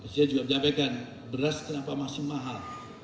saya juga menyampaikan beras kenapa masih mahal